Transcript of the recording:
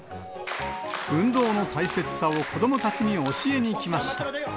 運動の大切さを子どもたちに教えに来ました。